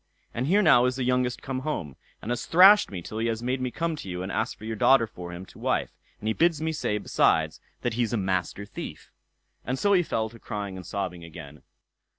"And here now is the youngest come home, and has thrashed me till he has made me come to you and ask for your daughter for him to wife; and he bids me say, besides, that he's a Master Thief." And so he fell to crying and sobbing again.